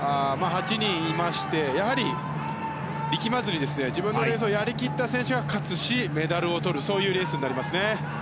８人いまして、やはり力まずに自分のレースをやり切った選手が勝つしメダルをとるそういうレースになりますね。